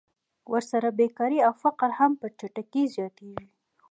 ورسره بېکاري او فقر هم په چټکۍ زیاتېږي